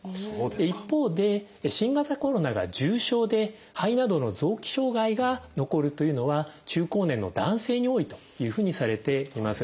一方で新型コロナが重症で肺などの臓器障害が残るというのは中高年の男性に多いというふうにされています。